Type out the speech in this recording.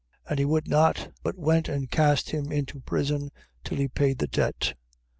18:30. And he would not: but went and cast him into prison, till he paid the debt. 18:31.